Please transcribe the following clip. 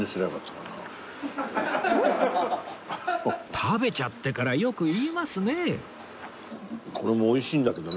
食べちゃってからよく言いますねえ！